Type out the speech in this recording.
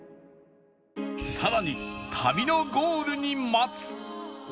さらに旅のゴールに待つ